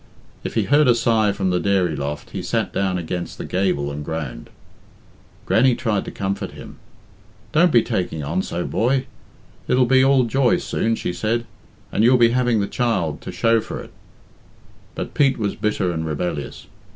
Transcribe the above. If he heard a sigh from the dairy loft, he sat down against the gable and groaned. Grannie tried to comfort him. "Don't be taking on so, boy. It'll be all joy soon," said she, "and you'll be having the child to shew for it." But Pete was bitter and rebellious.